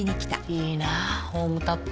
いいなホームタップ。